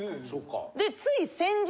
でつい先日。